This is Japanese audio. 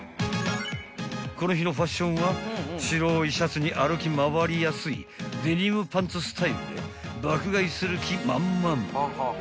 ［この日のファッションは白いシャツに歩き回りやすいデニムパンツスタイルで爆買いする気満々］